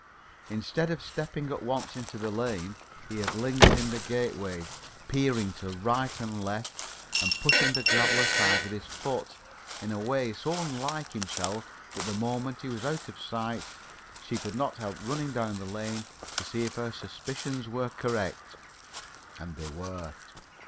Instead of stepping at once into the lane, he had lingered in the gateway peering to right and left and pushing the gravel aside with his foot in a way so unlike himself that the moment he was out of sight, she could not help running down the lane to see if her suspicions were correct. And they were.